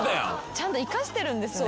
ちゃんと生かしてるんですね。